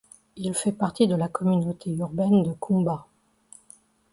Il fait partie de la communauté urbaine de Kumba.